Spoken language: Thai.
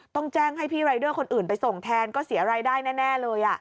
ต้องแจ้งให้พี่รายเดอร์คนอื่นไปส่งแทนก็เสียรายได้แน่เลย